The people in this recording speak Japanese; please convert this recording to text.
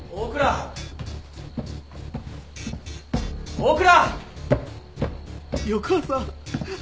大倉！？